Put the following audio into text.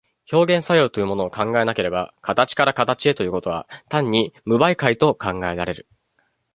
表現作用というものを考えなければ、形から形へということは単に無媒介と考えられる。